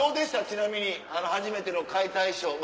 ちなみに初めての解体ショー。